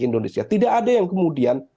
indonesia tidak ada yang kemudian